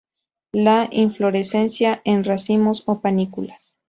La inflorescencia en racimos o panículas.